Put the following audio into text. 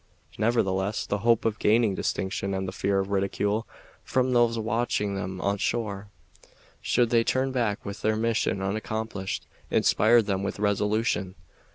Nevertheless, the hope of gaining distinction and the fear of ridicule from those watching them on shore, should they turn back with their mission unaccomplished, inspired them with resolution.